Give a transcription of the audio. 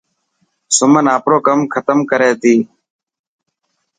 سمن آپرو ڪم ختم ڪري تي.